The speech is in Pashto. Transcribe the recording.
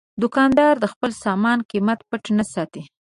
دوکاندار د خپل سامان قیمت پټ نه ساتي.